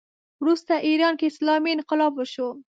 وروسته ایران کې اسلامي انقلاب وشو